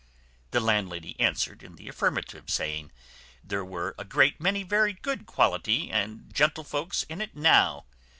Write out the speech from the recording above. The landlady answered in the affirmative, saying, "There were a great many very good quality and gentlefolks in it now.